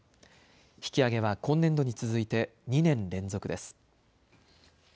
引き上げは今年度に続いて、２年連続です。